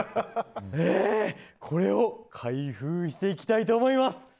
これを開封して期待と思います。